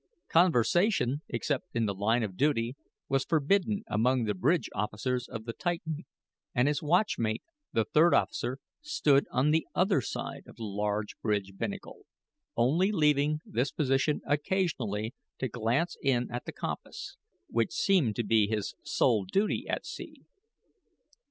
Conversation except in the line of duty was forbidden among the bridge officers of the Titan, and his watchmate, the third officer, stood on the other side of the large bridge binnacle, only leaving this position occasionally to glance in at the compass which seemed to be his sole duty at sea.